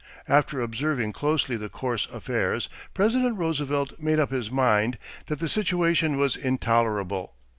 After observing closely the course affairs, President Roosevelt made up his mind that the situation was intolerable.